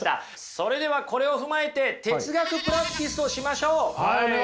それではこれを踏まえて哲学プラクティスをしましょう！